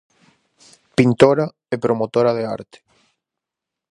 Pintora e promotora de arte.